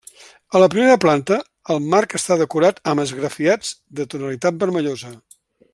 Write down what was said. A la primera planta, el marc està decorat amb esgrafiats de tonalitat vermellosa.